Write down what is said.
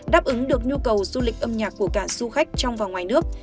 đáp ứng được nhu cầu du lịch âm nhạc của cả du khách trong và ngoài nước